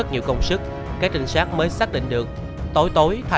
những mối quan hệ xã hội khá phức tạp